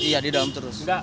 iya di dalam terus